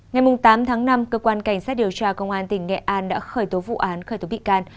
ngày tám tháng năm cơ quan cảnh sát điều tra công an tỉnh nghệ an đã khởi tố vụ án khởi tố bị can